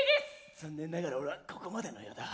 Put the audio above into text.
ざんねんながら俺はここまでのようだ。